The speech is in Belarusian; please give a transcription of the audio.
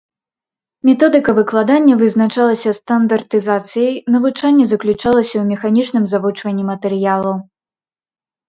Методыка выкладання вызначалася стандартызацыяй, навучанне заключалася ў механічным завучванні матэрыялу.